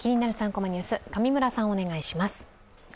３コマニュース」、上村さん、お願いします。